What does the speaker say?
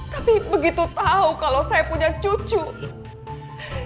tapi begitu tahu kalau saya punya cucu saya harus kehilangan cucu